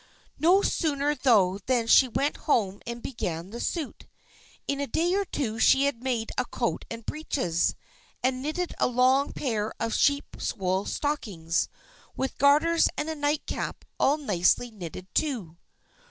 No sooner thought than she went home and began the suit. In a day or two she had made a coat and breeches, and knitted a long pair of sheep's wool stockings, with garters and a nightcap all nicely knitted, too.